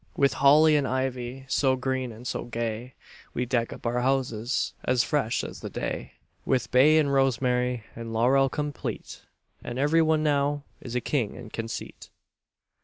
With holly and ivy So green and so gay, We deck up our houses As fresh as the day; With bay and rosemary And laurel complete; And every one now Is a king in conceit.